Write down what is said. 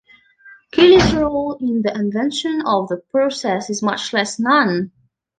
Kelly's role in the invention of the process is much less known.